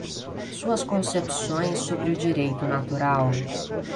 Suas concepções sobre o Direito Natural